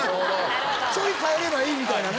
ちょい変えればいいみたいなね。